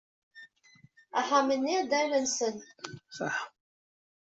Axxam-nni d ayla-nsent.